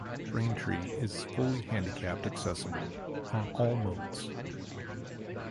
Braintree is fully handicapped accessible on all modes.